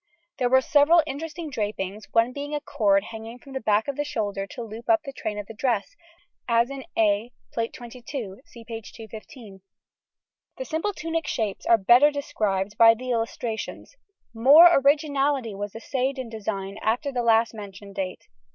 There were several interesting drapings, one being a cord hanging from the back of the shoulder to loop up the train of the dress, as in A, Plate XXII (see p. 215). The simple tunic shapes are better described by the illustrations: more originality was essayed in design after the last mentioned date.